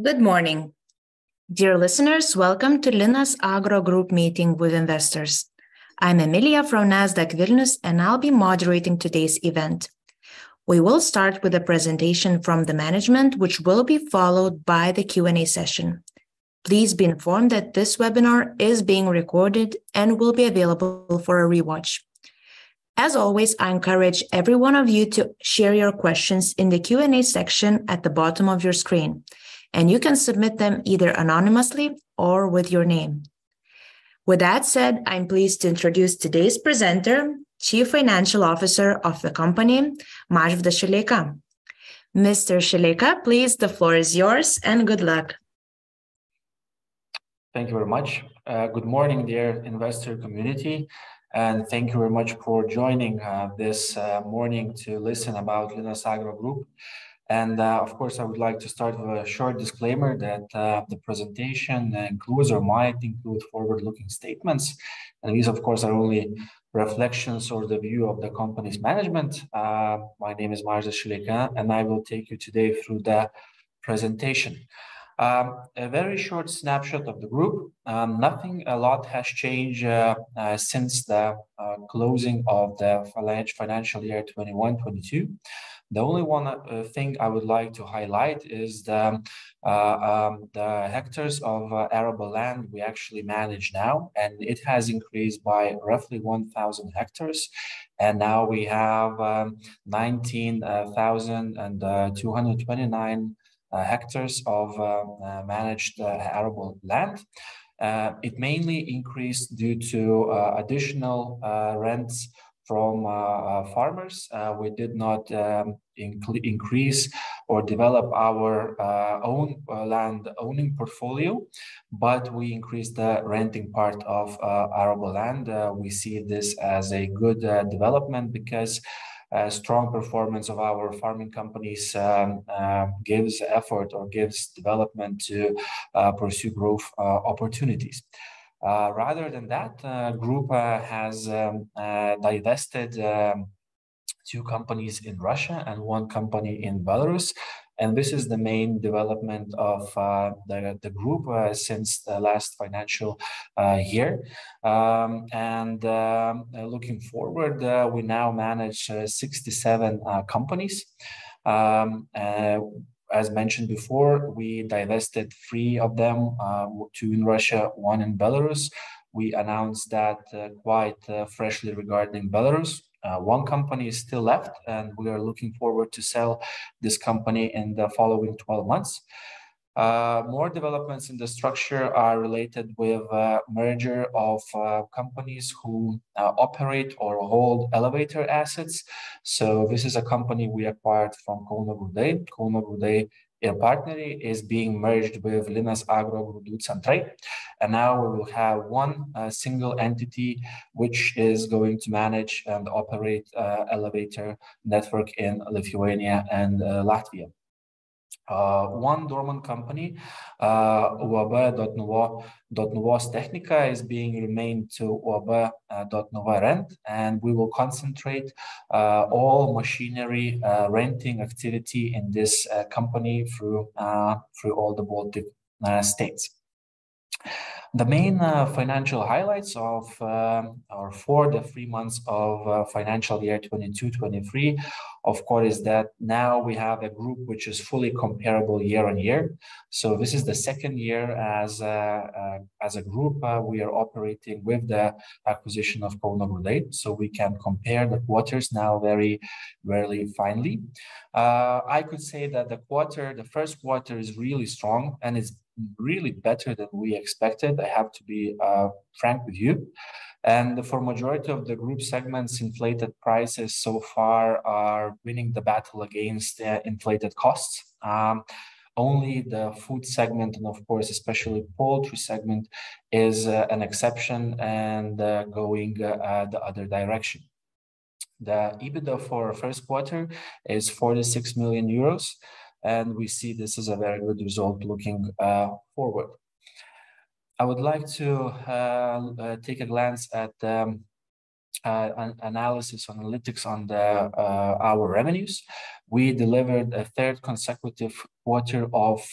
Good morning. Dear listeners, welcome to as Linas Agro Group meeting with investors. I'm Emilia from Nasdaq Vilnius, and I'll be moderating today's event. We will start with a presentation from the management, which will be followed by the Q&A session. Please be informed that this webinar is being recorded and will be available for a rewatch. As always, I encourage every one of you to share your questions in the Q&A section at the bottom of your screen, and you can submit them either anonymously or with your name. With that said, I'm pleased to introduce today's presenter, Chief Financial Officer of the company, Mažvydas Šileika. Mr. Šileika, please, the floor is yours, and good luck. Thank you v ery much. Good morning, dear investor community, and thank you very much for joining this morning to listen about Akola Group. Of course, I would like to start with a short disclaimer that the presentation includes or might include forward-looking statements. These, of course, are only reflections or the view of the company's management. My name is Mažvydas Šileika, and I will take you today through the presentation. A very short snapshot of the group. Nothing a lot has changed since the closing of the financial year 2021-2022. The only one thing I would like to highlight is the hectares of arable land we actually manage now, and it has increased by roughly 1,000 hectares. Now we have 19,229 hectares of managed arable land. It mainly increased due to additional rents from farmers. We did not increase or develop our own landowning portfolio, but we increased the renting part of arable land. We see this as a good development because a strong performance of our farming companies gives effort or gives development to pursue growth opportunities. Rather than that, Group has divested two companies in Russia and one company in Belarus, and this is the main development of the Group since the last financial year. Looking forward, we now manage 67 companies. As mentioned before, we divested three of them, two in Russia, one in Belarus. We announced that quite freshly regarding Belarus. One company is still left, and we are looking forward to sell this company in the following 12 months. More developments in the structure are related with merger of companies who operate or hold elevator assets. This is a company we acquired from KG Group. KG Group, a partner, is being merged with Linas Agro Grūdų Centrai, and now we will have one single entity which is going to manage and operate elevator network in Lithuania and Latvia. One dormant company, UAB Dotnuvos Technika, is being renamed to UAB Dotnuva Rent, and we will concentrate all machinery renting activity in this company through all the Baltic states. The main financial highlights of or for the three months of financial year 2022-2023, of course, is that now we have a group which is fully comparable year-on-year. This is the 2nd year as a group, we are operating with the acquisition of KG Group, so we can compare the quarters now very rarely finely. I could say that the quarter, the 1st quarter is really strong, and it's really better than we expected. I have to be frank with you. For majority of the group segments, inflated prices so far are winning the battle against the inflated costs. Only the food segment and of course, especially poultry segment is an exception and going the other direction. The EBITDA for 1st quarter is 46 million euros, and we see this as a very good result looking forward. I would like to take a glance at the analytics on our revenues. We delivered a 3rd consecutive quarter of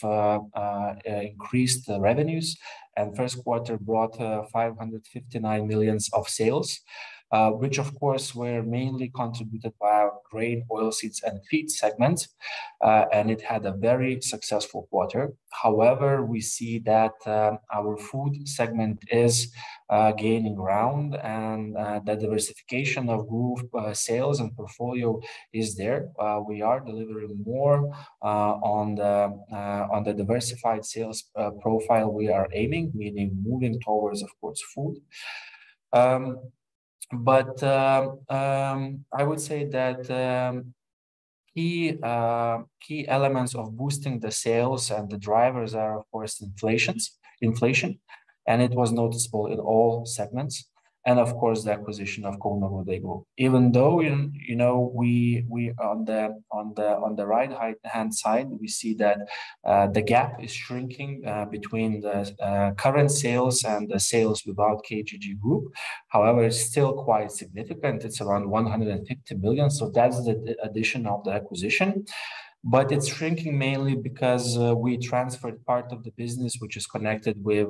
increased revenues, and 1st quarter brought 559 million of sales, which of course were mainly contributed by our grain, oilseeds and feed segment, and it had a very successful quarter. However, we see that our food segment is gaining ground and the diversification of group sales and portfolio is there. We are delivering more on the diversified sales profile we are aiming, meaning moving towards, of course, food. Key elements of boosting the sales and the drivers are, of course, inflation, and it was noticeable in all segments, and of course, the acquisition of KG group. Even though, you know, we on the right-hand side, we see that the gap is shrinking between the current sales and the sales without KG Group. It's still quite significant. It's around 150 million, so that's the addition of the acquisition. It's shrinking mainly because we transferred part of the business which is connected with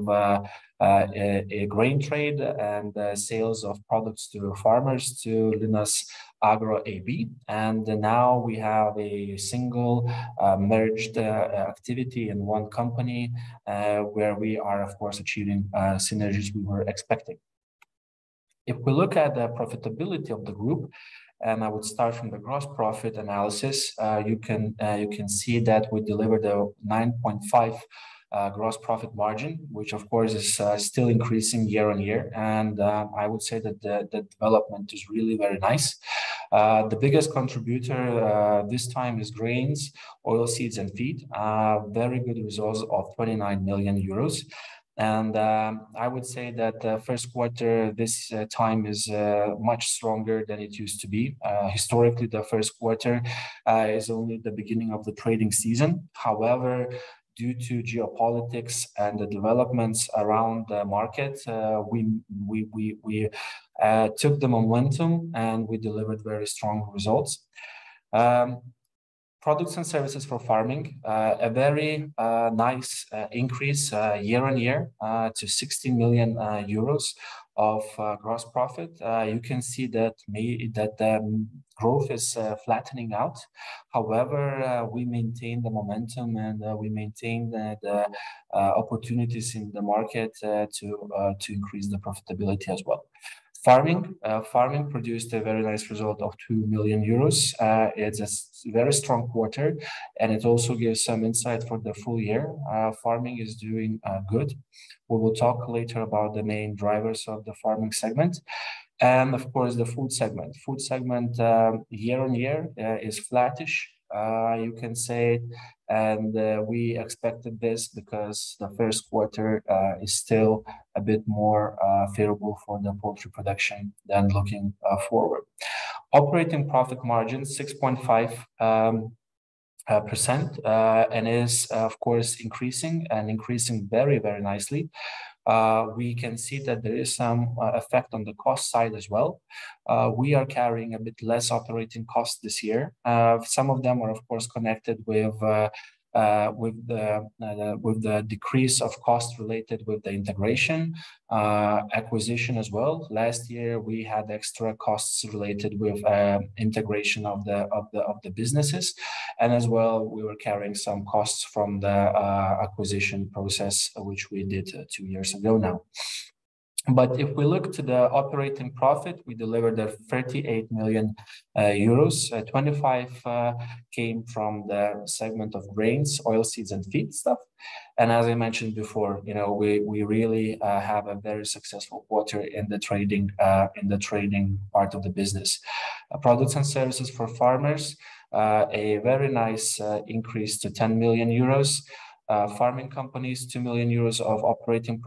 grain trade and sales of products to farmers to Linas Agro AB. Now we have a single, merged activity in one company, where we are, of course, achieving synergies we were expecting. If we look at the profitability of the group, and I would start from the gross profit analysis, you can see that we delivered a 9.5% gross profit margin, which of course is still increasing year-on-year. I would say that the development is really very nice. The biggest contributor this time is grains, oilseeds and feed. Very good results of 29 million euros. I would say that the 1st quarter this time is much stronger than it used to be. Historically, the 1st quarter is only the beginning of the trading season. However, due to geopolitics and the developments around the market, we took the momentum and we delivered very strong results. Products and services for farming, a very nice increase year-on-year to 60 million euros of gross profit. You can see that the growth is flattening out. However, we maintain the momentum and we maintain the opportunities in the market to increase the profitability as well. Farming produced a very nice result of 2 million euros. It's a very strong quarter and it also gives some insight for the full year. Farming is doing good. We will talk later about the main drivers of the farming segment and of course, the food segment. Food segment year-on-year is flattish, you can say. We expected this because the 1st quarter is still a bit more favorable for the poultry production than looking forward. Operating profit margin, 6.5%, and is of course, increasing and increasing very, very nicely. We can see that there is some effect on the cost side as well. We are carrying a bit less operating cost this year. Some of them were of course connected with the decrease of cost related with the integration acquisition as well. Last year we had extra costs related with integration of the businesses. We were carrying some costs from the acquisition process, which we did two years ago now. If we look to the operating profit, we delivered a 38 million euros. 25 came from the segment of grains, oilseeds and feedstuff. As I mentioned before, we really have a very successful quarter in the trading part of the business. Products and services for farmers, a very nice increase to 10 million euros. Farming companies, 2 million euros of operating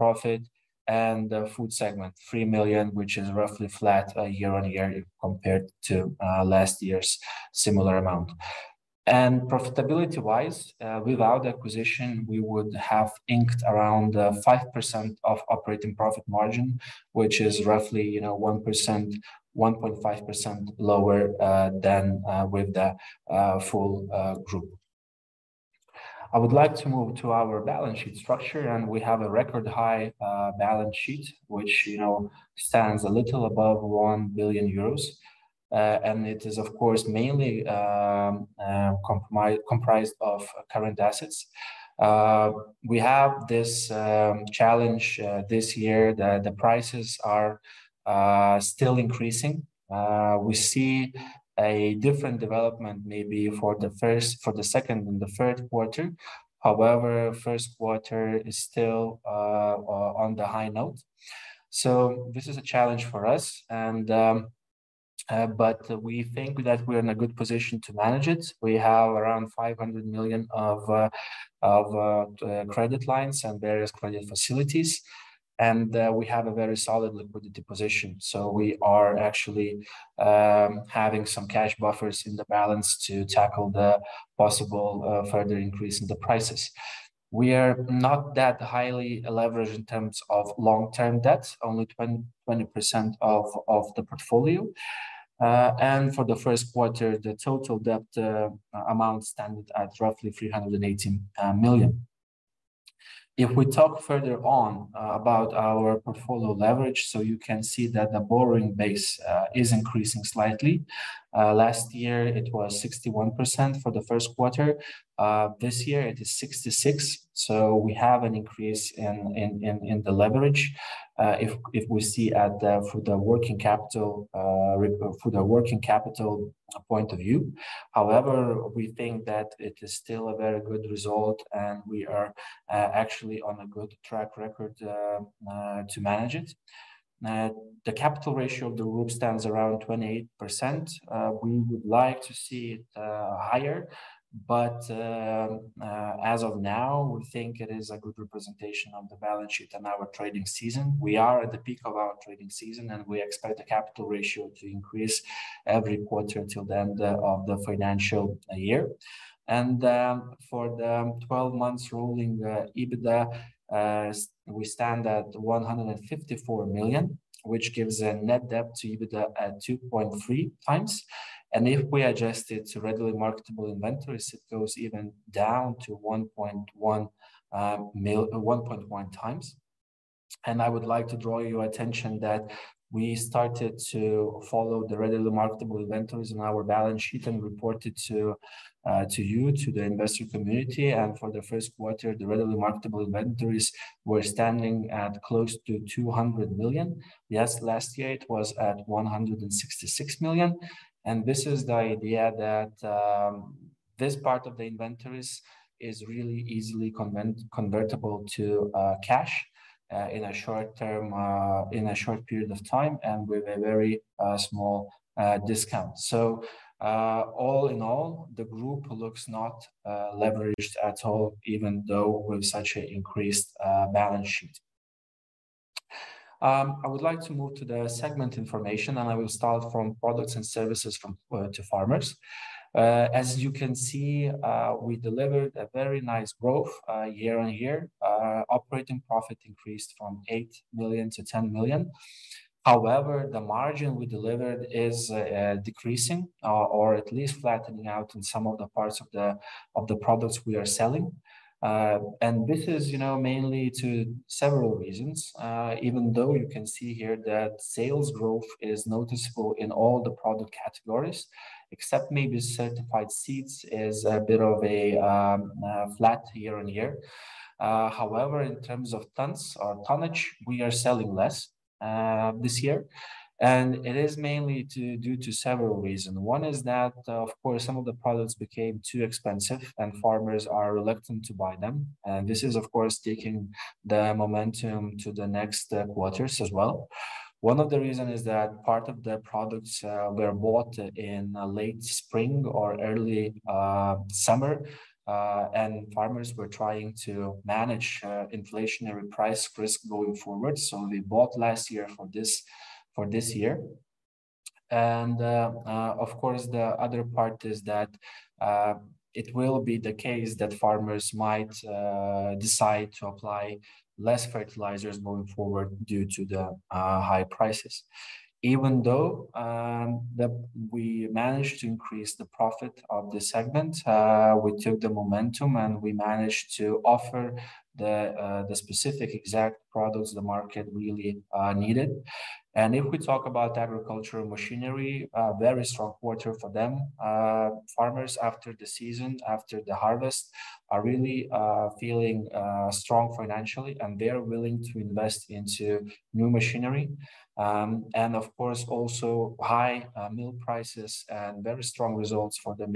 profit. The food segment, 3 million, which is roughly flat year-on-year compared to last year's similar amount. Profitability-wise, without acquisition, we would have inked around 5% of operating profit margin, which is roughly, you know, 1%, 1.5% lower than with the full group. I would like to move to our balance sheet structure, we have a record high balance sheet, which, you know, stands a little above 1 billion euros. It is, of course, mainly comprised of current assets. We have this challenge this year, the prices are still increasing. We see a different development maybe for the 1st, for the 2nd and the 3rd quarter. However, 1st quarter is still on the high note. This is a challenge for us and we think that we're in a good position to manage it. We have around 500 million of credit lines and various credit facilities, and we have a very solid liquidity position. We are actually having some cash buffers in the balance to tackle the possible further increase in the prices. We are not that highly leveraged in terms of long-term debts, only 20% of the portfolio. For the 1st quarter, the total debt amount stand at roughly 318 million. If we talk further on about our portfolio leverage, you can see that the borrowing base is increasing slightly. Last year, it was 61% for the 1st quarter. This year, it is 66%. We have an increase in the leverage if we see from the working capital point of view. However, we think that it is still a very good result and we are actually on a good track record to manage it. The capital ratio of the group stands around 28%. We would like to see it higher, but as of now, we think it is a good representation of the balance sheet and our trading season. We are at the peak of our trading season and we expect the capital ratio to increase every quarter till the end of the financial year. For the 12 months rolling EBITDA, we stand at 154 million, which gives a Net Debt to EBITDA at 2.3x. If we adjust it to readily marketable inventories, it goes even down to 1.1x. I would like to draw your attention that we started to follow the regularly marketable inventories in our balance sheet and reported to you, to the investor community. For the 1st quarter, the regularly marketable inventories were standing at close to 200 million. Yes, last year it was at 166 million. This is the idea that this part of the inventories is really easily convertible to cash in a short period of time and with a very small discount. All in all, the group looks not leveraged at all, even though with such an increased balance sheet. I would like to move to the segment information and I will start from products and services to farmers. As you can see, we delivered a very nice growth year-over-year. Operating profit increased from 8 million-10 million. The margin we delivered is decreasing or at least flattening out in some of the parts of the products we are selling. This is, you know, mainly to several reasons, even though you can see here that sales growth is noticeable in all the product categories, except maybe certified seeds is a bit of a flat year-over-year. In terms of tons or tonnage, we are selling less this year. It is mainly due to several reasons. One is that, of course, some of the products became too expensive and farmers are reluctant to buy them. This is, of course, taking the momentum to the next quarters as well. One of the reasons is that part of the products were bought in late spring or early summer and farmers were trying to manage inflationary price risk going forward. They bought last year for this year. Of course, the other part is that it will be the case that farmers might decide to apply less fertilizers going forward due to the high prices. Even though we managed to increase the profit of this segment, we took the momentum and we managed to offer the specific exact products the market really needed. If we talk about agricultural machinery, very strong quarter for them. Farmers after the season, after the harvest, are really feeling strong financially and they're willing to invest into new machinery. Of course, also high milk prices and very strong results for the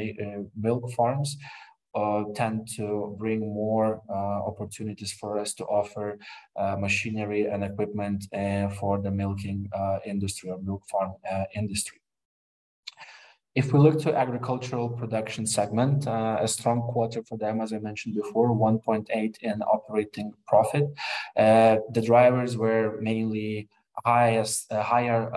milk farms tend to bring more opportunities for us to offer machinery and equipment for the milking industry or milk farm industry. If we look to agricultural production segment, a strong quarter for them, as I mentioned before, 1.8 in operating profit. The drivers were mainly higher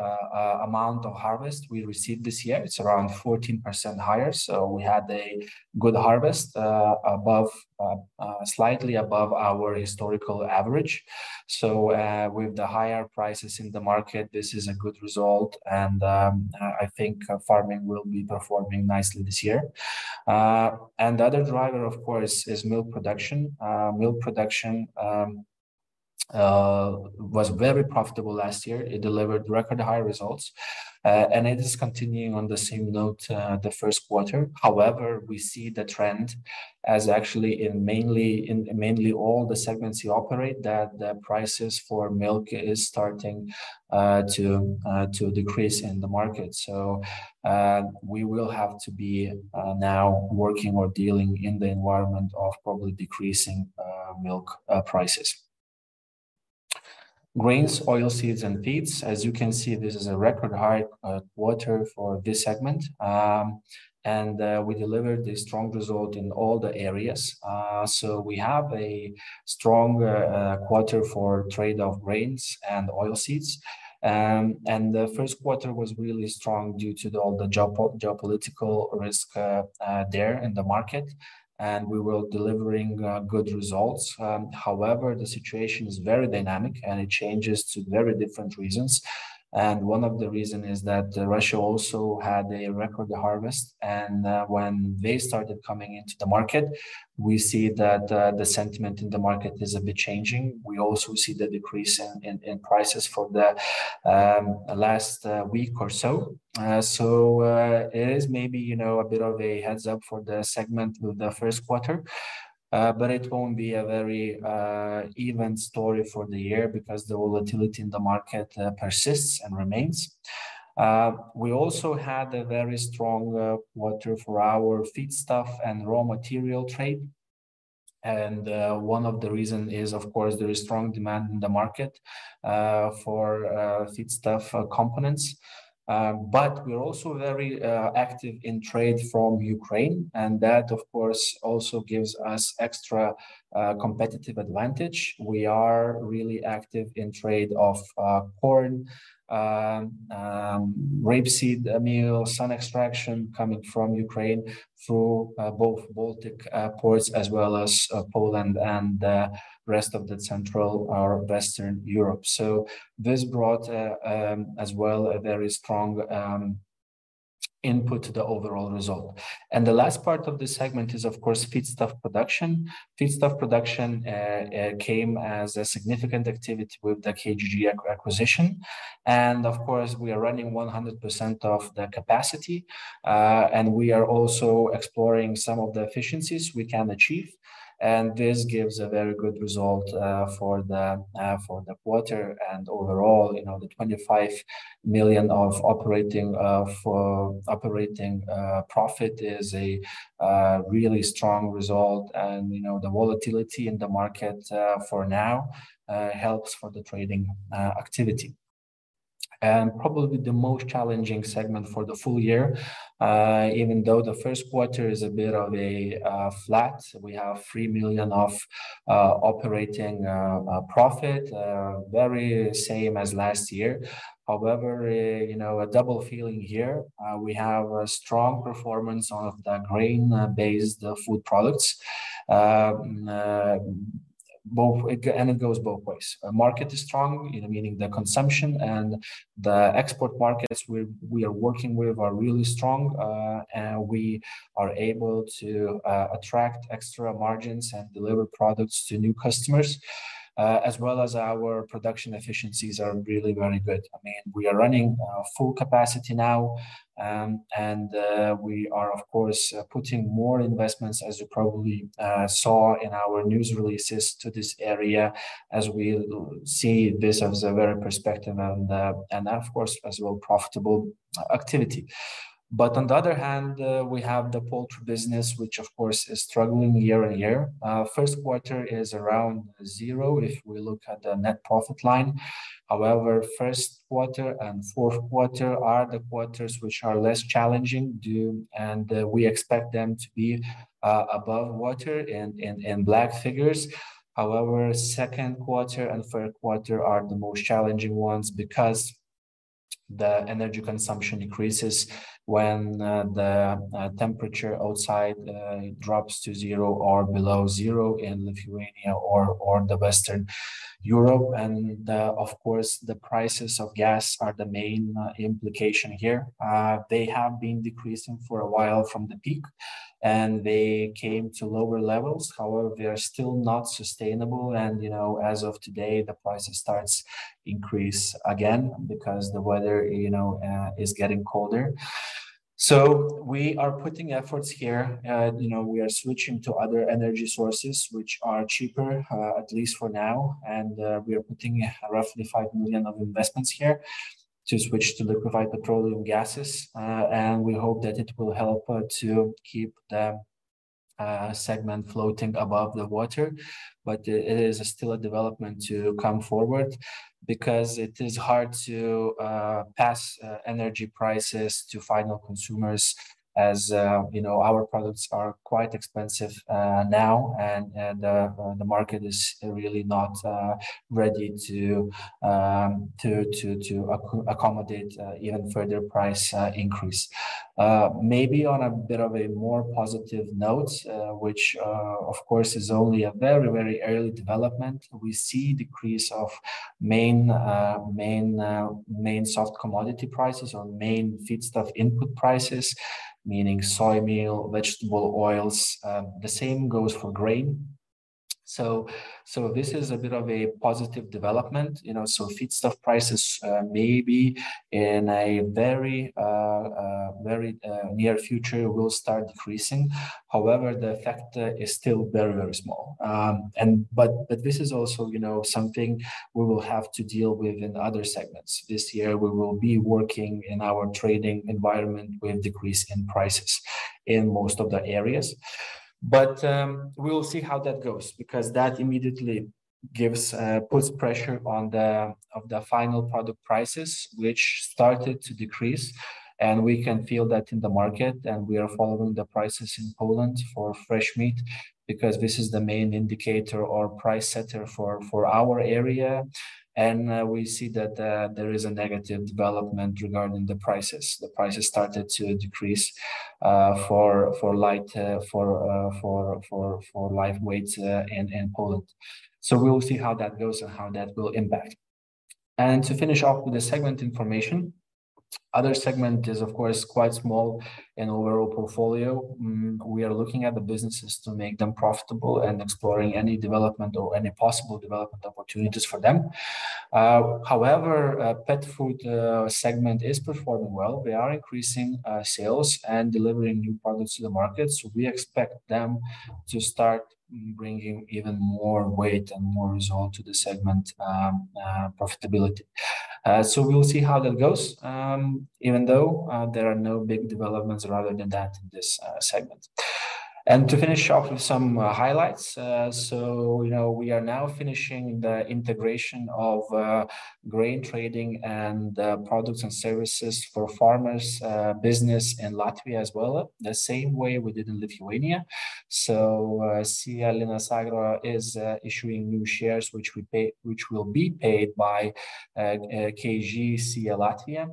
amount of harvest we received this year. It's around 14% higher. We had a good harvest above, slightly above our historical average. With the higher prices in the market, this is a good result. I think farming will be performing nicely this year. The other driver, of course, is milk production. Milk production was very profitable last year. It delivered record high results and it is continuing on the same note the 1st quarter. However, we see the trend as actually in mainly all the segments you operate that the prices for milk is starting to decrease in the market. We will have to be now working or dealing in the environment of probably decreasing milk prices. Grains, oil seeds and feeds. As you can see, this is a record high quarter for this segment. We delivered a strong result in all the areas. We have a strong quarter for trade of grains and oil seeds. The 1st quarter was really strong due to all the geopolitical risk there in the market. We were delivering good results. However, the situation is very dynamic and it changes to very different reasons. One of the reason is that Russia also had a record harvest. When they started coming into the market, we see that the sentiment in the market is a bit changing. We also see the decrease in prices for the last week or so. It is maybe a bit of a heads up for the segment through the 1st quarter. It won't be a very even story for the year because the volatility in the market persists and remains. We also had a very strong quarter for our feedstuff and raw material trade. One of the reason is, of course, there is strong demand in the market for feedstuff components. We're also very active in trade from Ukraine, and that of course also gives us extra competitive advantage. We are really active in trade of corn, rapeseed meal, sun extraction coming from Ukraine through both Baltic ports as well as Poland and the rest of Central or Western Europe. This brought as well a very strong input to the overall result. The last part of this segment is, of course, feedstuff production. Feedstuff production came as a significant activity with the KG Group acquisition. Of course, we are running 100% of the capacity, and we are also exploring some of the efficiencies we can achieve, and this gives a very good result for the quarter. Overall, you know, the 25 million of operating profit is a really strong result. The volatility in the market, for now, helps for the trading activity. Probably the most challenging segment for the full year, even though the 1st quarter is a bit of a flat, we have 3 million of operating profit, very same as last year. You know, a double feeling here. We have a strong performance of the grain-based food products. It goes both ways. Market is strong, you know, meaning the consumption and the export markets we are working with are really strong. We are able to attract extra margins and deliver products to new customers, as well as our production efficiencies are really very good. I mean, we are running full capacity now, and we are of course putting more investments, as you probably saw in our news releases to this area as we see this as a very perspective and of course as well profitable activity. On the other hand, we have the poultry business, which of course is struggling year-on-year. 1st quarter is around zero if we look at the net profit line. However, 1st quarter and 4th quarter are the quarters which are less challenging. We expect them to be above water and black figures. However, 2nd quarter and 3rd quarter are the most challenging ones because the energy consumption increases when the temperature outside drops to zero or below zero in Lithuania or the Western Europe. Of course, the prices of gas are the main implication here. They have been decreasing for a while from the peak, and they came to lower levels. They are still not sustainable and, you know, as of today, the prices starts increase again because the weather, you know, is getting colder. We are putting efforts here. You know, we are switching to other energy sources which are cheaper, at least for now, and we are putting roughly 5 million of investments here to switch to liquefied petroleum gases. We hope that it will help to keep the segment floating above the water. It is still a development to come forward because it is hard to pass energy prices to final consumers as you know, our products are quite expensive now and the market is really not ready to accommodate even further price increase. Maybe on a bit of a more positive note, which of course is only a very, very early development, we see decrease of main soft commodity prices or main feedstuff input prices, meaning soy meal, vegetable oils. The same goes for grain. This is a bit of a positive development. You know, feedstuff prices, maybe in a very, very near future will start decreasing. The effect is still very, very small. This is also, you know, something we will have to deal with in other segments. This year, we will be working in our trading environment with decrease in prices in most of the areas. We will see how that goes because that immediately puts pressure on the final product prices, which started to decrease, and we can feel that in the market. We are following the prices in Poland for fresh meat because this is the main indicator or price setter for our area. We see that there is a negative development regarding the prices. The prices started to decrease for live weights in Poland. We will see how that goes and how that will impact. To finish off with the segment information, other segment is of course quite small in overall portfolio. We are looking at the businesses to make them profitable and exploring any development or any possible development opportunities for them. However, pet food segment is performing well. We are increasing sales and delivering new products to the market, so we expect them to start bringing even more weight and more result to the segment profitability. So we'll see how that goes, even though there are no big developments rather than that in this segment. To finish off with some highlights, so, you know, we are now finishing the integration of grain trading and products and services for farmers business in Latvia as well, the same way we did in Lithuania. SIA Linas Agro is issuing new shares which will be paid by, KG Latvija,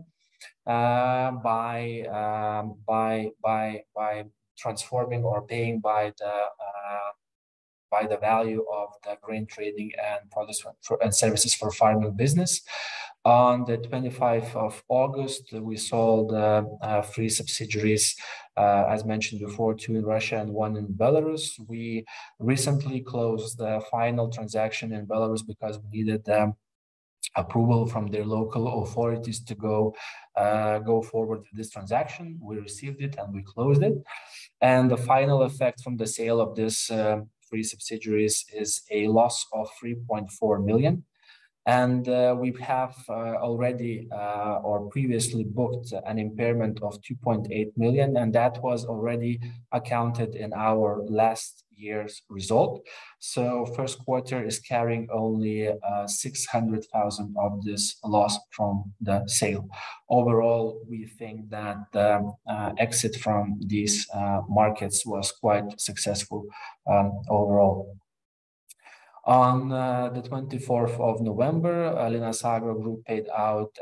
SIA by transforming or paying by the value of the grain trading and products for and services for farming business. On the 25th of August, we sold three subsidiaries as mentioned before, two in Russia and one in Belarus. We recently closed the final transaction in Belarus because we needed approval from their local authorities to go forward with this transaction. We received it, and we closed it. The final effect from the sale of these three subsidiaries is a loss of 3.4 million, and we have already or previously booked an impairment of 2.8 million, and that was already accounted in our last year's result. First quarter is carrying only 600,000 of this loss from the sale. Overall, we think that the exit from these markets was quite successful overall. On the 24th of November, Linas Agro Group paid out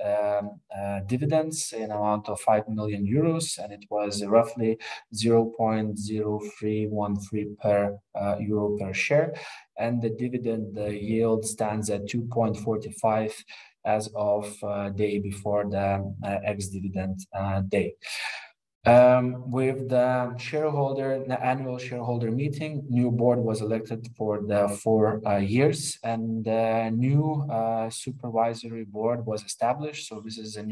dividends in amount of 5 million euros, and it was roughly 0.0313 euro per share, and the dividend yield stands at 2.45% as of day before the ex-dividend date. The annual shareholder meeting, new board was elected for four years, and a new supervisory board was established, so this is a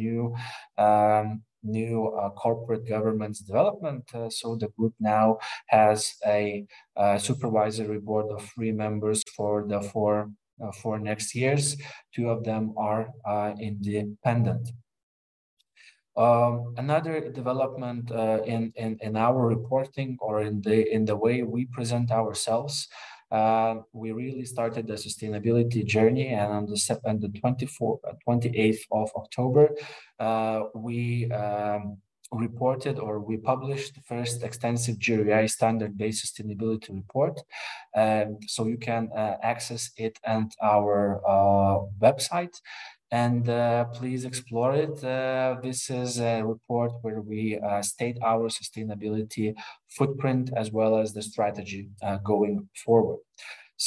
new corporate governance development. The group now has a supervisory board of three members for the four next years. Two of them are independent. Another development in our reporting or in the way we present ourselves, we really started the sustainability journey and on the 28th of October, we reported or we published the 1st extensive GRI Standards-based sustainability report. You can access it at our website and please explore it. This is a report where we state our sustainability footprint as well as the strategy going forward.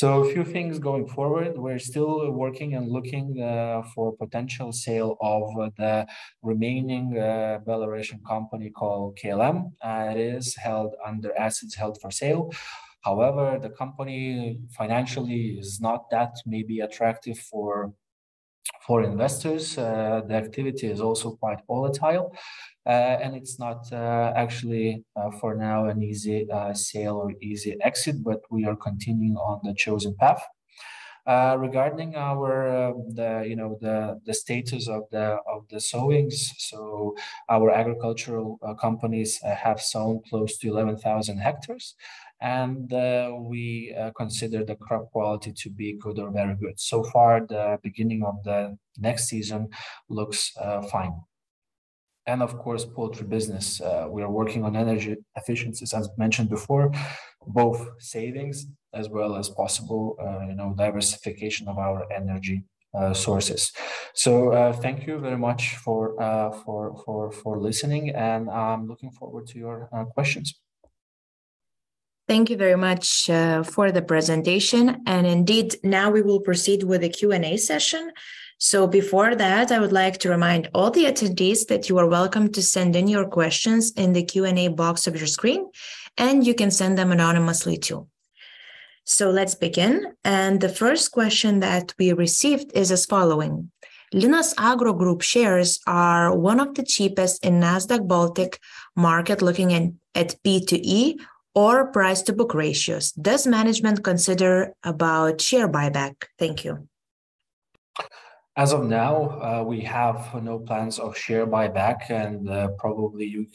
A few things going forward. We're still working and looking for potential sale of the remaining Belarusian company called KLM. It is held under assets held for sale. However, the company financially is not that maybe attractive for investors. The activity is also quite volatile, and it's not actually for now an easy sale or easy exit, but we are continuing on the chosen path. Regarding our, you know, the status of the sowings, so our agricultural companies have sown close to 11,000 hectares, and we consider the crop quality to be good or very good. So far, the beginning of the next season looks fine. Of course, poultry business, we are working on energy efficiencies, as mentioned before, both savings as well as possible, you know, diversification of our energy sources. Thank you very much for listening and looking forward to your questions. Thank you very much for the presentation. Indeed, now we will proceed with a Q&A session. Before that, I would like to remind all the attendees that you are welcome to send in your questions in the Q&A box of your screen, and you can send them anonymously too. Let's begin. The 1st question that we received is as following: Linas Agro Group shares are one of the cheapest in Nasdaq Baltic market looking in at P/E or price-to-book ratios. Does management consider about share buyback? Thank you. As of now, we have no plans of share buyback, probably you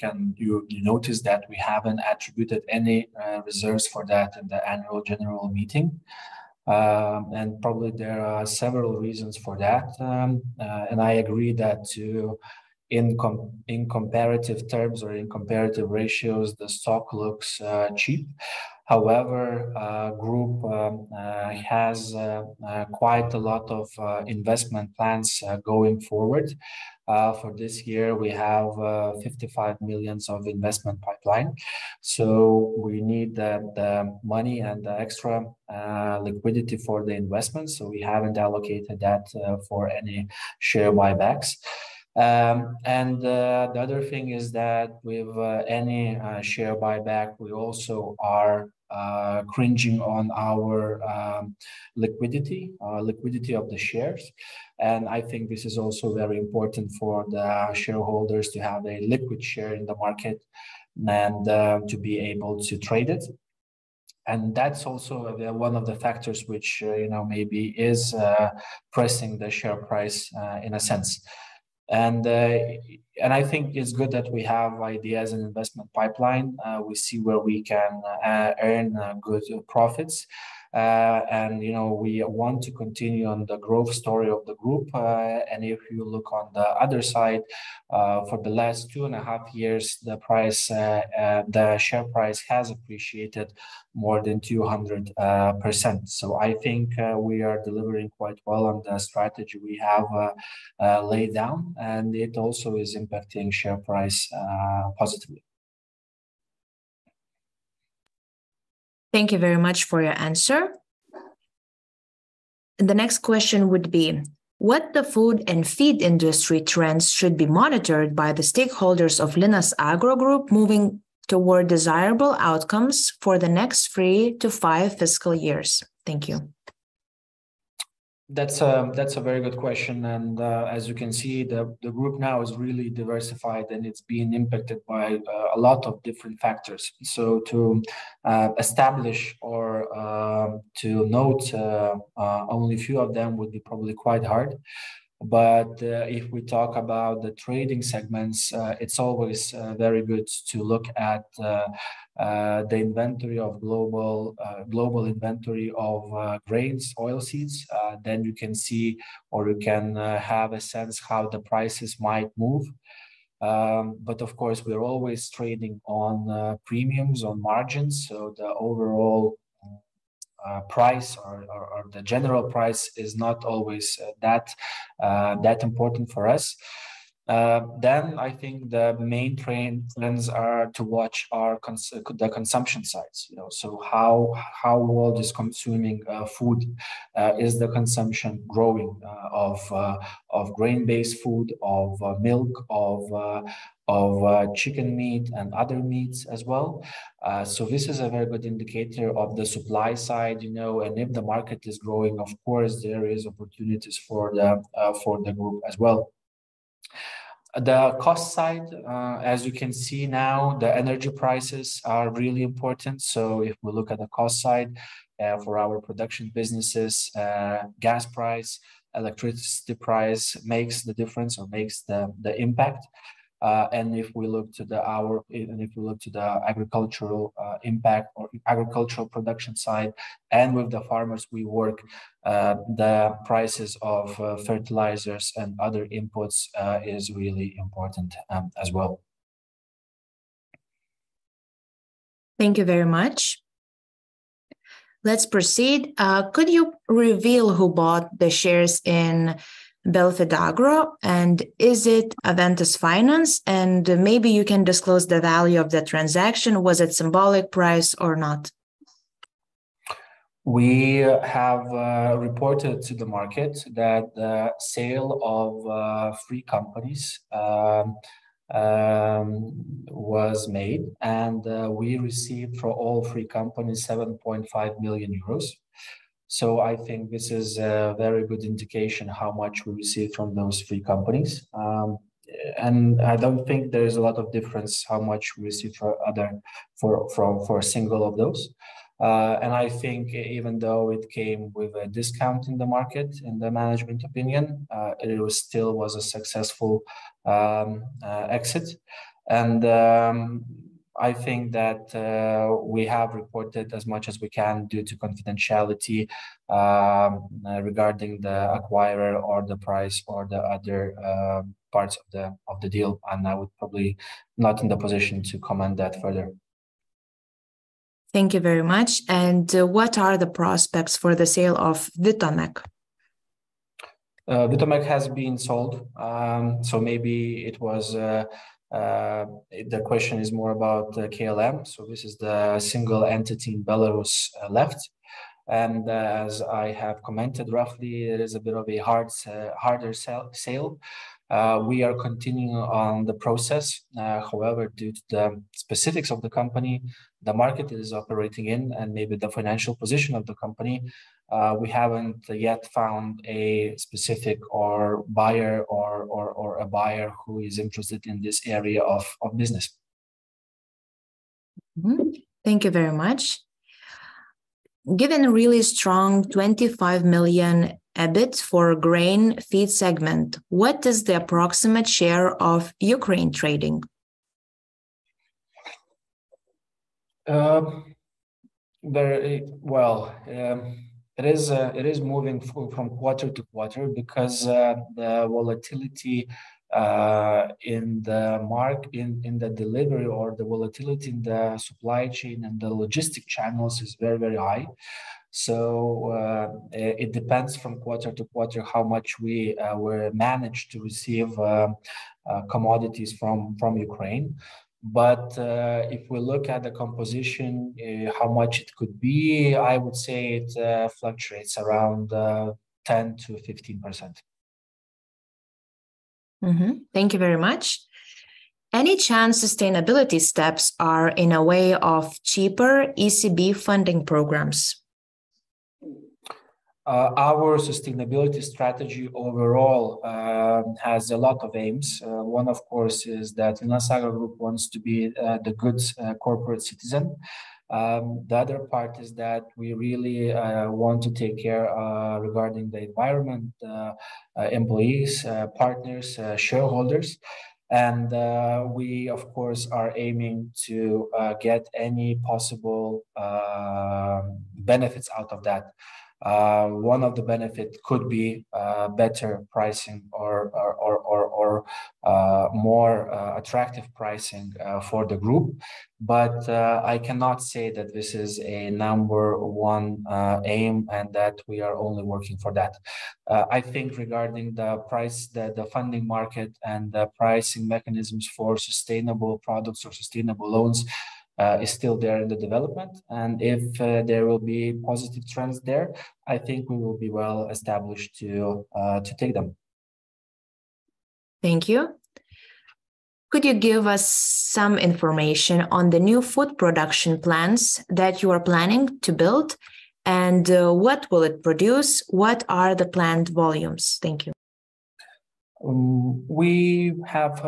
noticed that we haven't attributed any reserves for that in the annual general meeting. Probably there are several reasons for that. I agree that, too, in comparative terms or in comparative ratios, the stock looks cheap. However, Group has quite a lot of investment plans going forward. For this year, we have 55 million of investment pipeline. We need the money and the extra liquidity for the investment, we haven't allocated that for any share buybacks. The other thing is that with any share buyback, we also are cringing on our liquidity of the shares. I think this is also very important for the shareholders to have a liquid share in the market and to be able to trade it. That's also one of the factors which, you know, maybe is pressing the share price in a sense. I think it's good that we have ideas and investment pipeline. We see where we can earn good profits. You know, we want to continue on the growth story of the group. If you look on the other side, for the last 2.5 years, the price, the share price has appreciated more than 200%. I think we are delivering quite well on the strategy we have laid down, and it also is impacting share price positively. Thank you very much for your answer. The next question would be: What the food and feed industry trends should be monitored by the stakeholders of Linas Agro Group moving toward desirable outcomes for the next three- five fiscal years? Thank you. That's, that's a very good question. As you can see, the group now is really diversified, and it's being impacted by a lot of different factors. To establish or to note only a few of them would be probably quite hard. If we talk about the trading segments, it's always very good to look at the inventory of global global inventory of grains, oilseeds. You can see or you can have a sense how the prices might move. Of course, we're always trading on premiums or margins, so the overall price or the general price is not always that important for us. I think the main trends are to watch our the consumption sides, you know. How, how world is consuming food. Is the consumption growing of grain-based food, of milk, of chicken meat and other meats as well? This is a very good indicator of the supply side, you know. If the market is growing, of course there is opportunities for the group as well. The cost side, as you can see now, the energy prices are really important. If we look at the cost side for our production businesses, gas price, electricity price makes the difference or makes the impact. If we look to the agricultural impact or agricultural production side and with the farmers we work, the prices of fertilizers and other inputs is really important as well. Thank you very much. Let's proceed. Could you reveal who bought the shares in Belfidagro? Is it Aventus Finance? Maybe you can disclose the value of the transaction. Was it symbolic price or not? We have reported to the market that the sale of three companies was made, and we received for all three companies 7.5 million euros. I think this is a very good indication how much we received from those three companies. I don't think there is a lot of difference how much we received for a single of those. I think even though it came with a discount in the market, in the management opinion, it was a successful exit. I think that we have reported as much as we can due to confidentiality regarding the acquirer or the price or the other parts of the deal. I would probably not in the position to comment that further. Thank you very much. What are the prospects for the sale of Vitomek? Vitomek has been sold. So maybe it was the question is more about KLM. This is the single entity in Belarus left. As I have commented roughly, it is a bit of a harder sale. We are continuing on the process. However, due to the specifics of the company, the market it is operating in and maybe the financial position of the company, we haven't yet found a specific buyer or a buyer who is interested in this area of business. Thank you very much. Given really strong 25 million EBIT for grain feed segment, what is the approximate share of Ukraine trading? Well, it is moving from quarter to quarter because the volatility in the delivery or the volatility in the supply chain and the logistic channels is very, very high. It depends from quarter to quarter how much we manage to receive commodities from Ukraine. If we look at the composition, how much it could be, I would say it fluctuates around 10%-15%. Thank you very much. Any chance sustainability steps are in a way of cheaper ECB funding programs? Our sustainability strategy overall has a lot of aims. One of course is that LinrAgro GeoniausGroup wants to be the good corporate citizen. The oher part is that we really want to take care regarding the environment, employees, partners, shareholders. We of course are aiming to get any possible benefits out of that. One of the benefit could be better pricing or more attractive pricing for the group. I cannot say that this is a number one aim and that we are only working for that. I think regarding the price, the funding market and the pricing mechanisms for sustainable products or sustainable loans is still there in the development. If there will be positive trends there, I think we will be well established to take them. Thank you. Could you give us some information on the new food production plans that you are planning to build, and, what will it produce? What are the planned volumes? Thank you. We have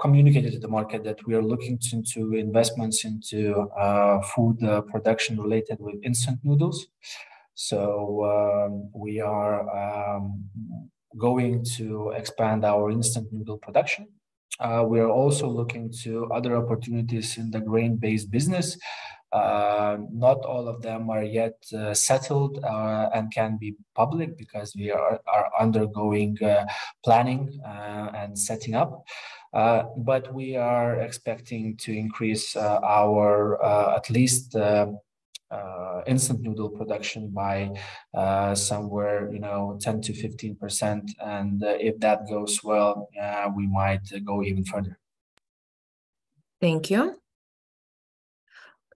communicated to the market that we are looking into investments into food production related with instant noodles. We are going to expand our instant noodle production. We are also looking to other opportunities in the grain-based business. Not all of them are yet settled and can be public because we are undergoing planning and setting up. We are expecting to increase our at least instant noodle production by somewhere, you know, 10%-15%. If that goes well, we might go even further. Thank you.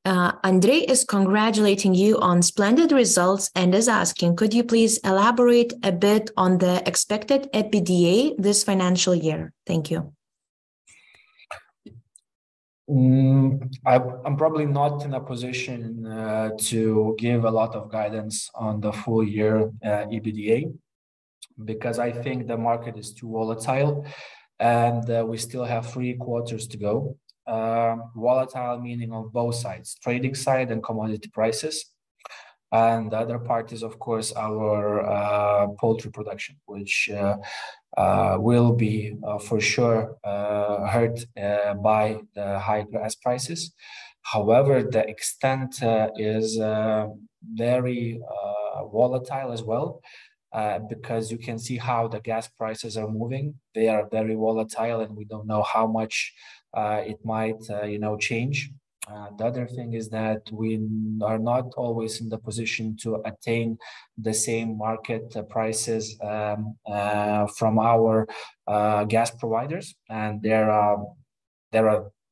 Andre is congratulating you on splendid results and is asking: Could you please elaborate a bit on the expected EBITDA this financial year? Thank you. I'm probably not in a position to give a lot of guidance on the full year EBITDA because I think the market is too volatile, and we still have three quarters to go. Volatile meaning on both sides, trading side and commodity prices. The other part is of course our poultry production, which will be for sure hurt by the high gas prices. However, the extent is very volatile as well, because you can see how the gas prices are moving. They are very volatile, and we don't know how much it might, you know, change. The other thing is that we are not always in the position to attain the same market prices from our gas providers, and there are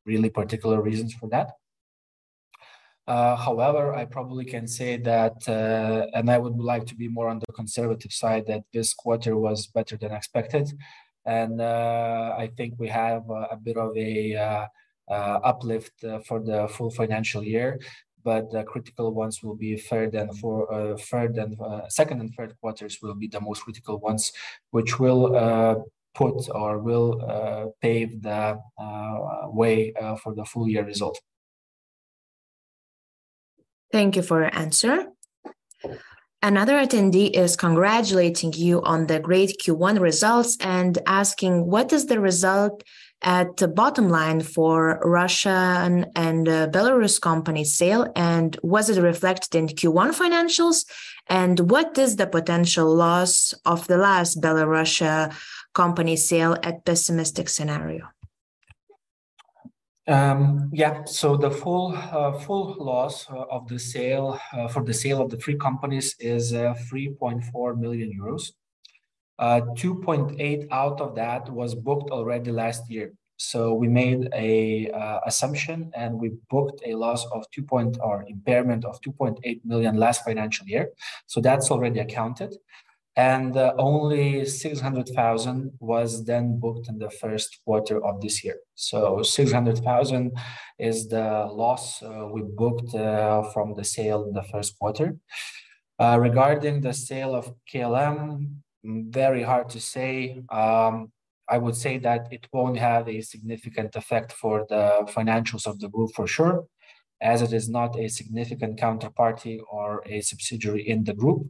really particular reasons for that. However, I probably can say that, and I would like to be more on the conservative side, that this quarter was better than expected. I think we have a bit of a uplift for the full financial year. The critical ones will be 2nd and 3rd quarters will be the most critical ones, which will put or will pave the way for the full year result. Thank you for your answer. Another attendee is congratulating you on the great Q1 results and asking: What is the result at the bottom line for Russia and Belarus company sale, and was it reflected in Q1 financials? What is the potential loss of the last Belarus company sale at pessimistic scenario? The full loss of the sale for the sale of the three companies is 3.4 million euros. 2.8 out of that was booked already last year. We made an assumption, and we booked a loss or impairment of 2.8 million last financial year. That's already accounted. Only 600,000 was then booked in the 1st quarter of this year. 600,000 is the loss we booked from the sale in the 1st quarter. Regarding the sale of KLM, very hard to say. I would say that it won't have a significant effect for the financials of the group for sure, as it is not a significant counterparty or a subsidiary in the group.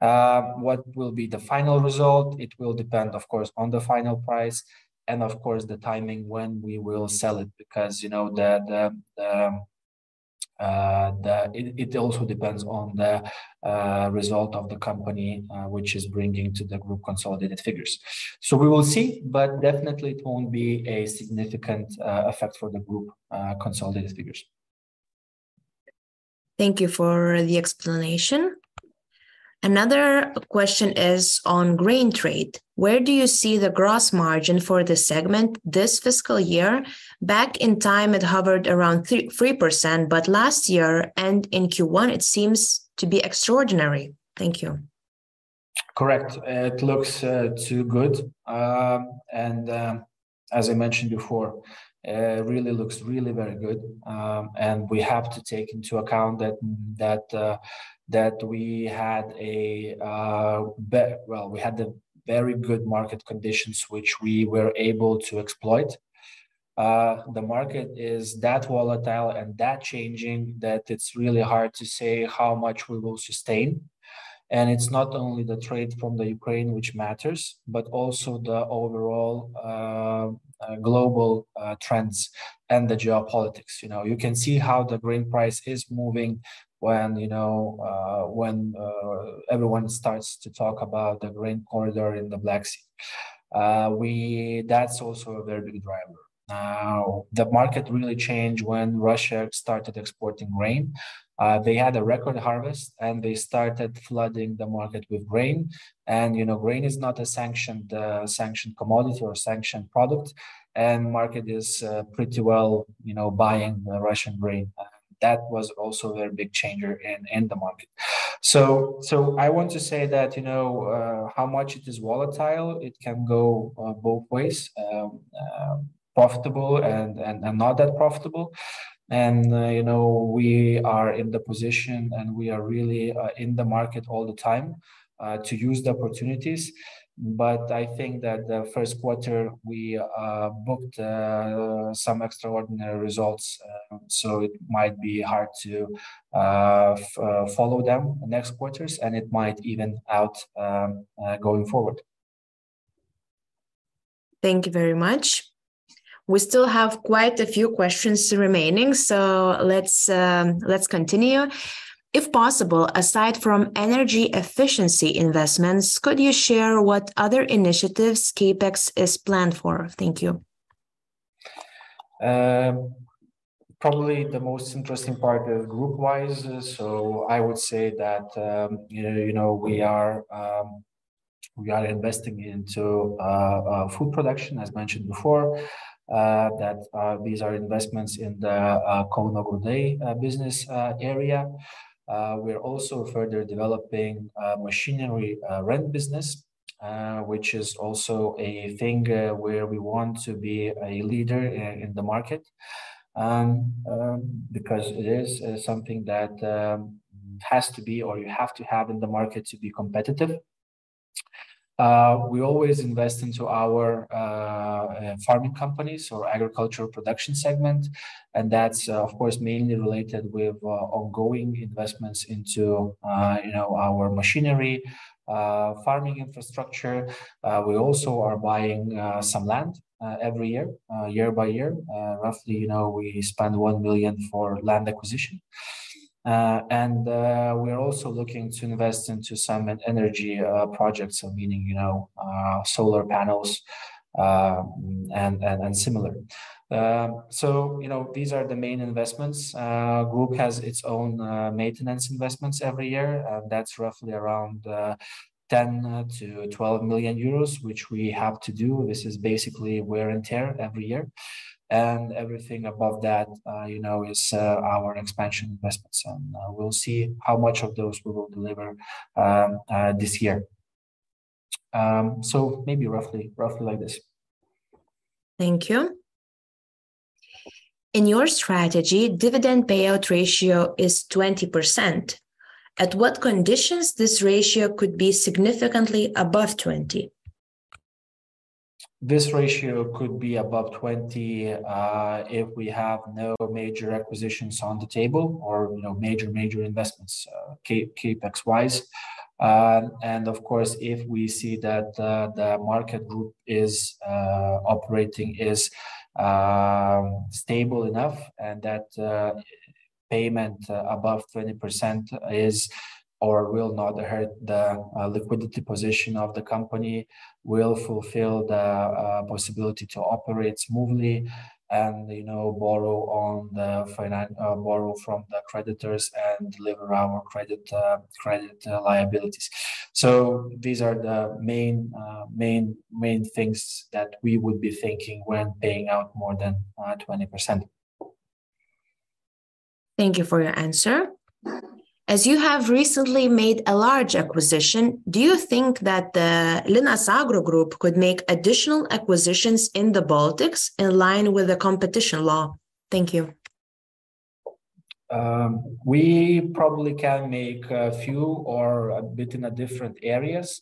What will be the final result, it will depend of course on the final price and of course the timing when we will sell it because, you know, the it also depends on the result of the company which is bringing to the group consolidated figures. We will see, definitely it won't be a significant effect for the group consolidated figures. Thank you for the explanation. Another question is on grain trade. Where do you see the gross margin for this segment this fiscal year? Back in time it hovered around 3%, but last year and in Q1 it seems to be extraordinary. Thank you. Correct. It looks too good. As I mentioned before, looks really very good. We have to take into account that we had a Well, we had the very good market conditions which we were able to exploit. The market is that volatile and that changing that it's really hard to say how much we will sustain. It's not only the trade from the Ukraine which matters, but also the overall global trends and the geopolitics. You know, you can see how the grain price is moving when, you know, when everyone starts to talk about the grain corridor in the Black Sea. That's also a very big driver. The market really changed when Russia started exporting grain. They had a record harvest, and they started flooding the market with grain. You know, grain is not a sanctioned commodity or sanctioned product, and market is, pretty well, you know, buying the Russian grain. That was also a very big changer in the market. I want to say that, you know, how much it is volatile, it can go, both ways, profitable and, and not that profitable. You know, we are in the position and we are really, in the market all the time, to use the opportunities. I think that the 1st quarter we, booked, some extraordinary results, so it might be hard to follow them next quarters, and it might even out, going forward. Thank you very much. We still have quite a few questions remaining, so let's continue. If possible, aside from energy efficiency investments, could you share what other initiatives CapEx is planned for? Thank you. Probably the most interesting part of group-wise, I would say that, you know, we are investing into food production, as mentioned before. That these are investments in the Kauno Grūdai business area. We're also further developing machinery rent business, which is also a thing where we want to be a leader in the market. Because it is something that has to be or you have to have in the market to be competitive. We always invest into our farming companies or agricultural production segment. That's, of course, mainly related with ongoing investments into, you know, our machinery, farming infrastructure. We also are buying some land every year by year. Roughly, you know, we spend 1 million for land acquisition. We're also looking to invest into some energy projects, so meaning, you know, solar panels, and similar. You know, these are the main investments. Group has its own maintenance investments every year. That's roughly around 10 million-12 million euros, which we have to do. This is basically wear and tear every year. Everything above that, you know, is our expansion investments. We'll see how much of those we will deliver this year. Maybe roughly like this. Thank you. In your strategy, dividend payout ratio is 20%. At what conditions this ratio could be significantly above 20? This ratio could be above 20, if we have no major acquisitions on the table or, you know, major investments, CapEx-wise. Of course, if we see that, the market group is operating is stable enough and that payment above 20% is or will not hurt the liquidity position of the company, will fulfill the possibility to operate smoothly and, you know, borrow from the creditors and deliver our credit liabilities. These are the main things that we would be thinking when paying out more than 20%. Thank you for your answer. As you have recently made a large acquisition, do you think that the Linas Agro Group could make additional acquisitions in the Baltics in line with the competition law? Thank you. We probably can make a few or a bit in different areas.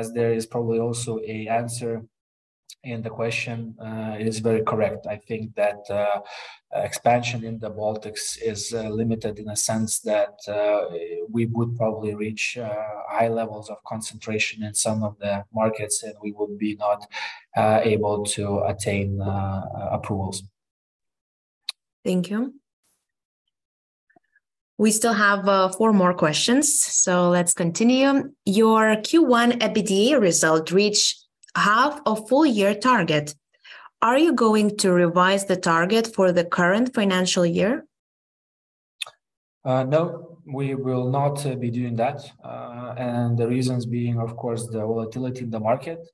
As there is probably also a answer in the question, it is very correct. I think that expansion in the Baltics is limited in a sense that we would probably reach high levels of concentration in some of the markets, and we would be not able to attain approvals. Thank you. We still have four more questions, so let's continue. Your Q1 EBITDA result reach half a full year target. Are you going to revise the target for the current financial year? No, we will not be doing that. The reasons being, of course, the volatility in the market.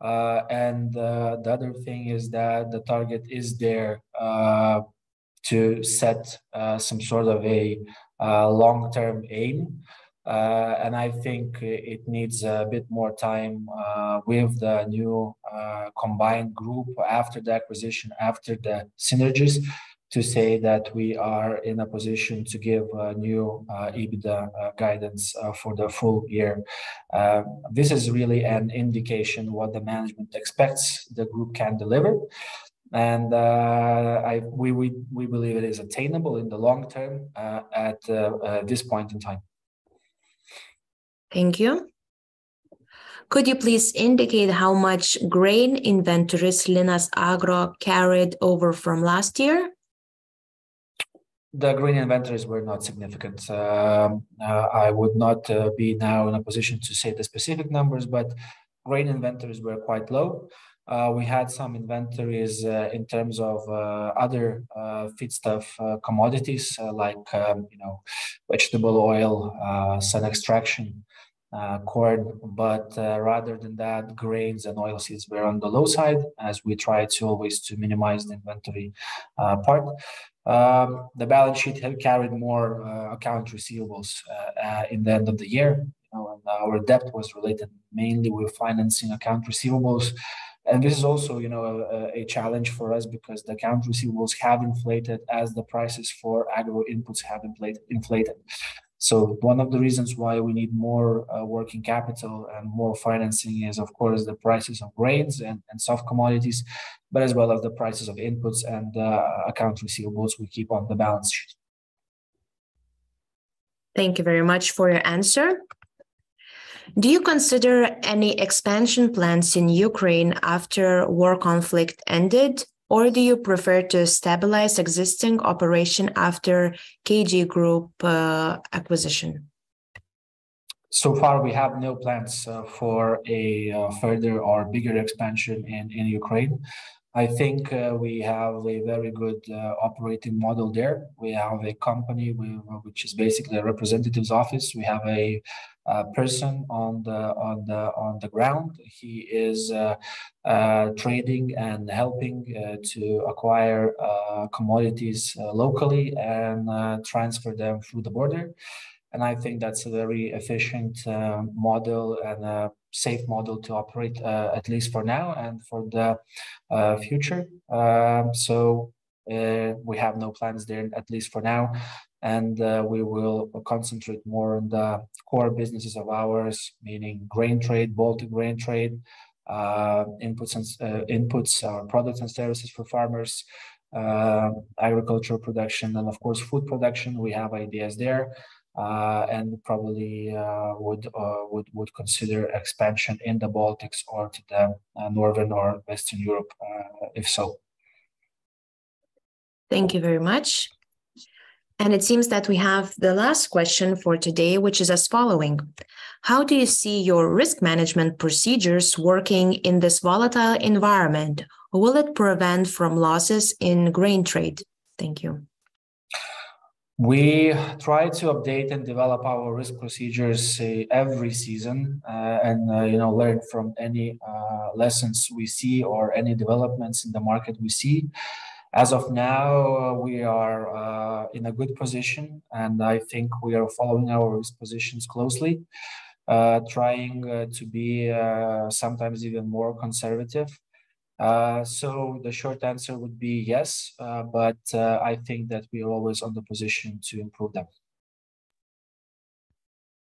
The other thing is that the target is there to set some sort of a long-term aim. I think it needs a bit more time with the new combined group after the acquisition, after the synergies, to say that we are in a position to give a new EBITDA guidance for the full year. This is really an indication what the management expects the group can deliver, and we believe it is attainable in the long term at this point in time. Thank you. Could you please indicate how much grain inventories Linas Agro carried over from last year? The grain inventories were not significant. I would not be now in a position to say the specific numbers, but grain inventories were quite low. We had some inventories in terms of other feedstuff commodities, like, you know, vegetable oil, sunflower meal, corn. Rather than that, grains and oilseeds were on the low side as we try to always to minimize the inventory part. The balance sheet had carried more account receivables in the end of the year. You know, our debt was related mainly with financing account receivables. This is also, you know, a challenge for us because the account receivables have inflated as the prices for agro inputs have inflated. One of the reasons why we need more working capital and more financing is, of course, the prices of grains and soft commodities, but as well as the prices of inputs and account receivables we keep on the balance sheet. Thank you very much for your answer. Do you consider any expansion plans in Ukraine after war conflict ended, or do you prefer to stabilize existing operation after KG Group acquisition? So far we have no plans for a further or bigger expansion in Ukraine. I think we have a very good operating model there. We have a company which is basically a representative's office. We have a person on the ground. He is trading and helping to acquire commodities locally and transfer them through the border, and I think that's a very efficient model and a safe model to operate, at least for now and for the future. We have no plans there, at least for now, and we will concentrate more on the core businesses of ours, meaning grain trade, Baltic grain trade, inputs, products and services for farmers, agricultural production and, of course, food production. We have ideas there, and probably, would consider expansion in the Baltics or to the Northern or Western Europe, if so. Thank you very much. It seems that we have the last question for today, which is as following: How do you see your risk management procedures working in this volatile environment? Will it prevent from losses in grain trade? Thank you. We try to update and develop our risk procedures every season, and, you know, learn from any lessons we see or any developments in the market we see. As of now, we are in a good position and I think we are following our risk positions closely, trying to be sometimes even more conservative. The short answer would be yes, I think that we are always on the position to improve them.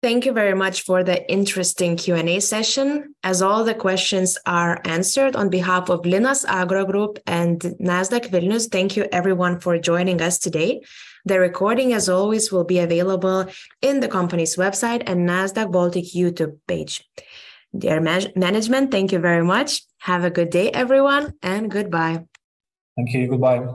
Thank you very much for the interesting Q&A session. As all the questions are answered, on behalf of Linas Agro Group and Nasdaq Vilnius, thank you everyone for joining us today. The recording, as always, will be available in the company's website and Nasdaq Baltic YouTube page. Dear management, thank you very much. Have a good day everyone and goodbye. Thank you. Goodbye.